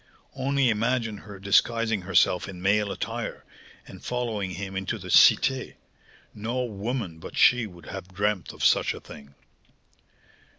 "Only imagine her disguising herself in male attire, and following him into the Cité! No woman but she would have dreamt of such a thing."